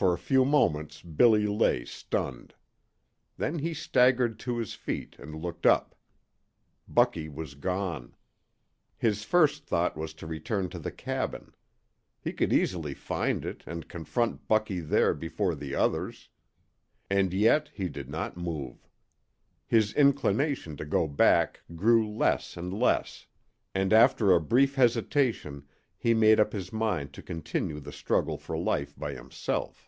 For a few moments Billy lay stunned. Then he staggered to his feet and looked up. Bucky was gone. His first thought was to return to the cabin. He could easily find it and confront Bucky there before the others. And yet he did not move. His inclination to go back grew less and less, and after a brief hesitation he made up his mind to continue the struggle for life by himself.